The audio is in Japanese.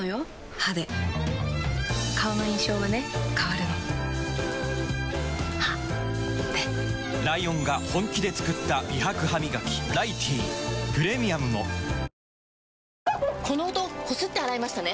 歯で顔の印象はね変わるの歯でライオンが本気で作った美白ハミガキ「ライティー」プレミアムもこの音こすって洗いましたね？